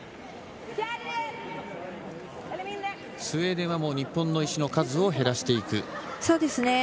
スウェーデンはもう日本の石の数を減らしていく。